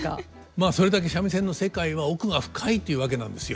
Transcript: まあそれだけ三味線の世界は奥が深いというわけなんですよ。